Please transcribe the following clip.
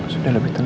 sudah lebih tenang